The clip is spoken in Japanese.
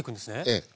ええ。